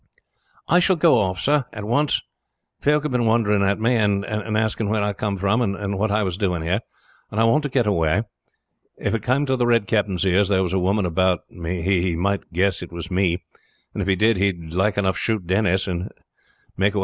"I shall go off, sir, at once. Folk have been wondering at me, and asking where I came from and what I was doing here, and I want to get away. If it came to the Red Captain's ears there was a woman about he might guess it was me, and if he did he would like enough shoot Denis and make away.